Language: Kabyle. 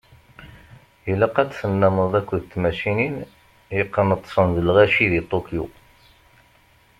Ilaq ad tennameḍ akked d tmacinin iqqneṭsen d lɣaci di Tokyo.